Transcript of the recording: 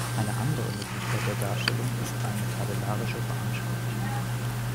Eine andere Möglichkeit der Darstellung ist eine tabellarische Veranschaulichung.